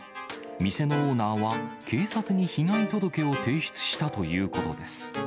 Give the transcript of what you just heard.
店のオーナーは警察に被害届を提出したということです。